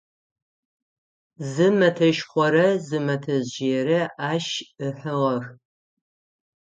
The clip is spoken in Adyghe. Зы мэтэшхорэ зы мэтэжъыерэ ащ ыхьыгъэх.